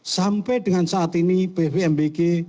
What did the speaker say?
sampai dengan saat ini pvmbg